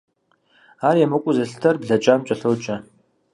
Ар емыкӀуу зылъытэр блэкӀам кӀэлъоджэ.